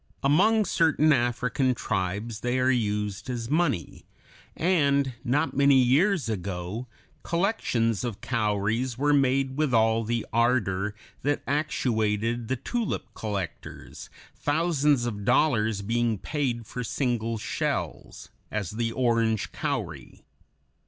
Among certain African tribes they are used as money, and not many years ago collections of cowries were made with all the ardor that actuated the tulip collectors, thousands of dollars being paid for single shells, as the orange cowry.